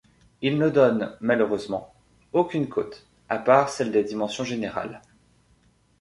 Il ne donne, malheureusement, aucune cote, à part celles des dimensions générales.